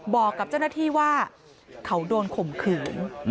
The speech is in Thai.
บอกกับเจ้าหน้าที่ว่าเขาโดนข่มขืน